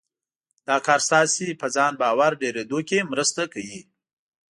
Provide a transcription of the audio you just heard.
دا کار ستاسې په ځان باور ډېرېدو کې مرسته کوي.